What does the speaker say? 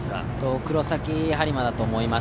黒崎播磨だと思います。